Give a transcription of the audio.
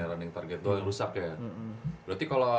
yang rusak ya berarti kalo